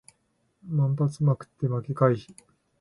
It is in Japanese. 万発捲って負け回避